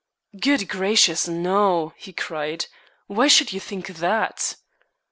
"Good gracious, no," he cried. "Why should you think that?"